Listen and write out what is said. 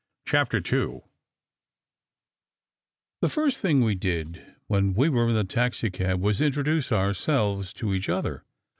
CHAPTER II THE first thing we did when we were in the taxicab was to introduce ourselves to each other.